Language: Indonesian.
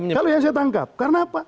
kalau yang saya tangkap karena apa